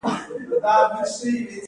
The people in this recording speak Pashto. اسناد باید په جلا جلا فایلونو کې وي.